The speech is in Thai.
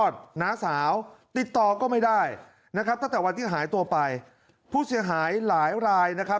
ใช่ตั้งแต่วันที่หายตัวไปผู้เสียหายหลายนะครับ